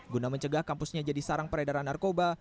guna mencegah kampusnya jadi sarang peredaran narkoba